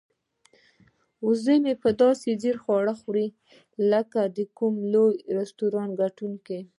وزه مې داسې په ځیر خواړه خوري لکه د کوم لوی رستورانت کتونکی.